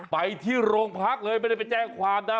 ไปที่โรงพักเลยไม่ได้ไปแจ้งความนะ